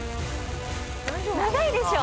長いでしょ。